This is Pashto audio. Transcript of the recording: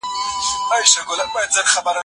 نظم د ټولني ستن ده.